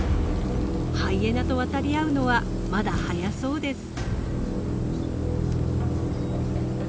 ハイエナと渡り合うのはまだ早そうです。